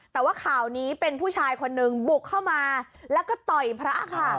แต่ว่าข่าวนี้เป็นผู้ชายคนนึงบุกเข้ามาแล้วก็ต่อยพระค่ะ